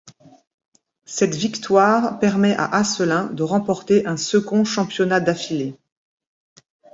Cette victoire permet à Asselin de remporter un second championnat d'affilé.